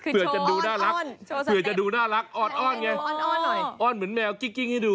เผื่อจะดูน่ารักอ้อนอ้อนไงอ้อนเหมือนแมวกิ๊กกิ้งให้ดู